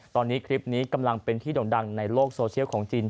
ตอนนี้คลิปนี้กำลังเป็นที่ด่งดังในโลกโซเชียลของจีน